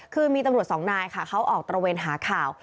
คือมีตำรวจสองนายค่ะเขาออกตระเวนหาข่าว